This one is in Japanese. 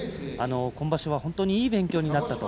今場所は本当にいい勉強になった。